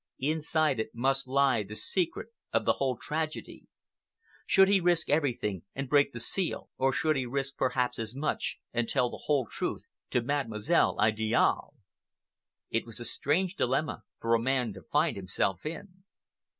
Inside it must lie the secret of the whole tragedy. Should he risk everything and break the seal, or should he risk perhaps as much and tell the whole truth to Mademoiselle Idiale? It was a strange dilemma for a man to find himself in.